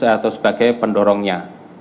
atau sebagai pendorongnya